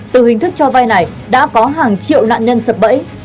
từ hình thức cho vay này đã có hàng triệu nạn nhân sập bẫy